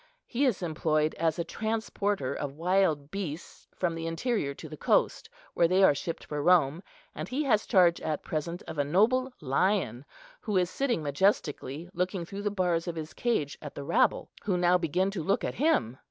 He is employed as a transporter of wild beasts from the interior to the coast, where they are shipped for Rome; and he has charge at present of a noble lion, who is sitting majestically, looking through the bars of his cage at the rabble, who now begin to look at him.